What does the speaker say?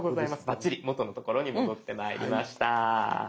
バッチリ元の所に戻ってまいりました。